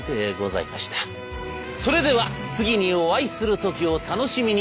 それでは次にお会いする時を楽しみに。